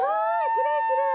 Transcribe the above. きれいきれい！